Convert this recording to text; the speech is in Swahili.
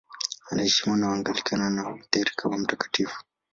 Anaheshimiwa na Waanglikana na Walutheri kama mtakatifu.